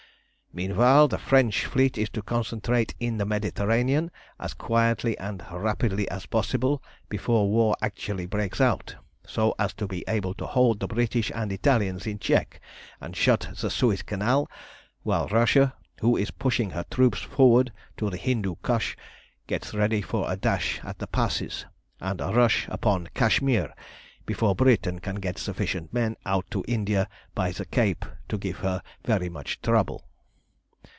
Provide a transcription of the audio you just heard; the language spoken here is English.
"Meanwhile, the French fleet is to concentrate in the Mediterranean as quietly and rapidly as possible, before war actually breaks out, so as to be able to hold the British and Italians in check, and shut the Suez Canal, while Russia, who is pushing her troops forward to the Hindu Kush, gets ready for a dash at the passes, and a rush upon Cashmere, before Britain can get sufficient men out to India by the Cape to give her very much trouble.